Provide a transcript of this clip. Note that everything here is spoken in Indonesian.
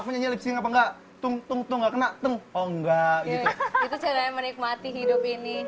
aku nyanyi lip sync apa enggak tunggu tunggu enggak oh enggak gitu menikmati hidup ini